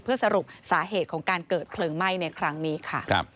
เพื่อสรุปสาเหตุของการเกิดเพลิงไหม้ในครั้งนี้ค่ะ